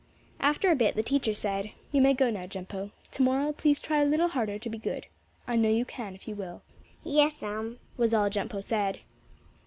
After a bit the teacher said: "You may go now, Jumpo. Tomorrow please try a little harder to be good. I know you can if you will." "Yes'm," was all Jumpo said.